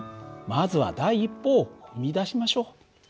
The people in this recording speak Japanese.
まずは第一歩を踏み出しましょう。